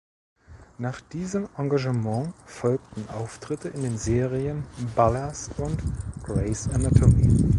Nach diesem Engagement folgten Auftritte in den Serien "Ballers" und "Grey’s Anatomy".